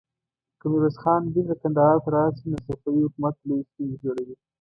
که ميرويس خان بېرته کندهار ته راشي، نو صفوي حکومت ته لويې ستونزې جوړوي.